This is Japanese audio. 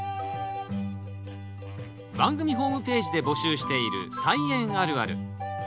番組ホームページで募集している「菜園あるある」。